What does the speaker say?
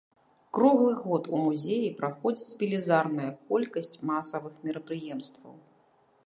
Круглы год у музеі праходзіць велізарная колькасць масавых мерапрыемстваў.